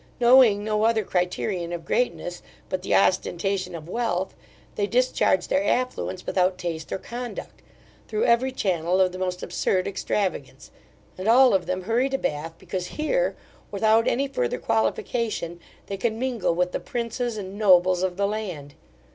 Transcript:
Knowing no other criterion of greatness, but the ostentation of wealth, they discharge their affluence without taste or conduct, through every channel of the most absurd extravagance; and all of them hurry to Bath, because here, without any further qualification, they can mingle with the princes and nobles of the land.